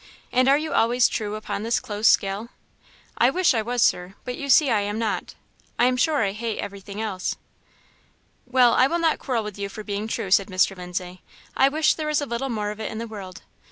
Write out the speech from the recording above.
And are you always true upon this close scale?" "I wish I was, Sir; but you see I am not. I am sure I hate everything else!" "Well, I will not quarrel with you for being true," said Mr. Lindsay; "I wish there was a little more of it in the world.